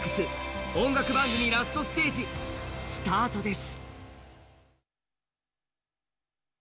音楽番組、ラストステージ、スタートです。